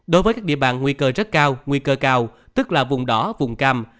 đối với các địa bàn nguy cơ rất cao nguy cơ cao tức là vùng đỏ vùng cam